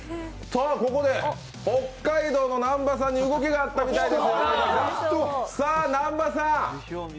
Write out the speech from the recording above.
ここで北海道の南波さんに動きがあったみたいです。